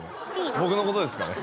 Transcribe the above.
僕のことですかね？